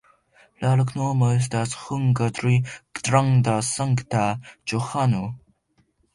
La loknomo estas hungare: granda-Sankta Johano.